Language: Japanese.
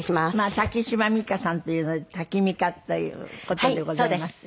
瀧島未香さんっていうのでタキミカという事でございまして。